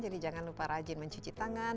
jadi jangan lupa rajin mencuci tangan